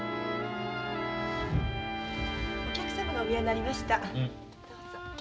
お客様がお見えになりました。